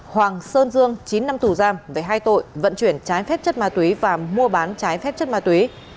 hoàng sơn dương chín năm tù giam về hai tội vận chuyển trái phép chất ma túy và mua bán trái phép chất ma túy